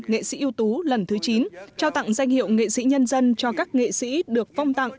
nghệ sĩ ưu tú lần thứ chín trao tặng danh hiệu nghệ sĩ nhân dân cho các nghệ sĩ được phong tặng